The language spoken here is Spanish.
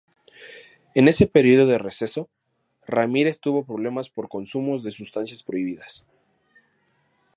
En ese período de receso, Ramírez tuvo problemas por consumos de sustancias prohibidas.